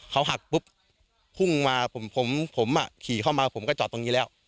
เขาหักปุ๊บพุ่งมาผมผมขี่เข้ามาผมก็จอดตรงนี้แล้ว